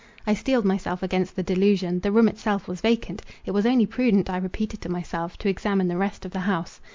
I steeled myself against the delusion; the room itself was vacant: it was only prudent, I repeated to myself, to examine the rest of the house.